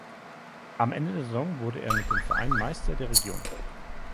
Am Ende der Saison wurde er mit dem Verein Meister der Region.